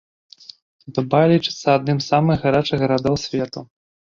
Дубай лічыцца адным з самых гарачых гарадоў свету.